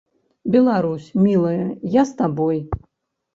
Беларусь, мілая, я з табой.